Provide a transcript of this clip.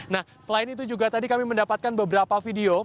nah selain itu juga tadi kami mendapatkan beberapa video